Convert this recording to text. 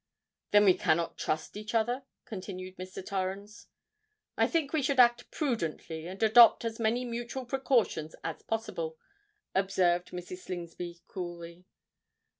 "Then we cannot trust each other?" continued Mr. Torrens. "I think we should act prudently to adopt as many mutual precautions as possible," observed Mrs. Slingsby coolly.